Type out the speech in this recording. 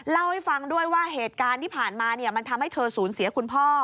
เล่าให้ฟังด้วยว่าเหตุการณ์ที่ผ่านมามันทำให้เธอสูญเสียคุณพ่อ